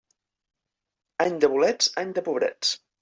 Any de bolets, any de pobrets.